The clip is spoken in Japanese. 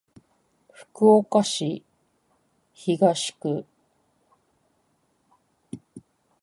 福岡市東区